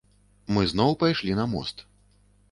Мы зноў пайшлі на мост.